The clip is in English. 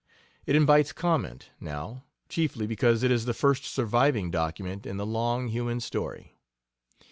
It invites comment, now, chiefly because it is the first surviving document in the long human story.